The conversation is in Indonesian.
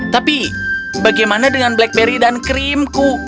tapi bagaimana dengan blackberry dan krimku